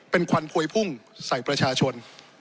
เป็นควันพวยพุ่งใส่ประชาชน